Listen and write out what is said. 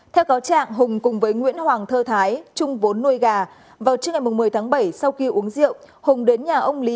theo cáo trạng hùng cùng với nguyễn hoàng thơ thái trung vốn nuôi gà vào trước ngày một mươi tháng bảy